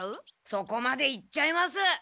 そこまで言っちゃいます！